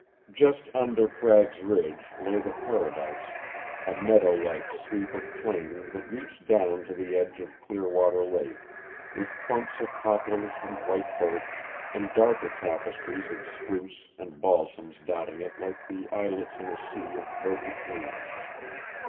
Just under Cragg's Ridge lay the paradise, a meadow like sweep of plain that reached down to the edge of Clearwater Lake, with clumps of poplars and white birch and darker tapestries of spruce and balsams dotting it like islets in a sea of verdant green.